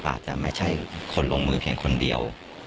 อาจจะไม่ใช่คนลงมือเพียงคนเดียว